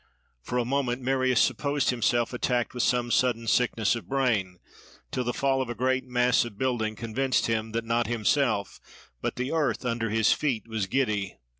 For a moment Marius supposed himself attacked with some sudden sickness of brain, till the fall of a great mass of building convinced him that not himself but the earth under his feet was giddy.